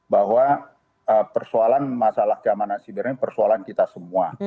bahwa persoalan masalah keamanan sibernya persoalan kita semua